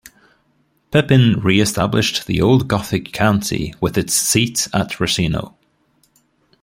Pepin reestablished the old Gothic county with its seat at Ruscino.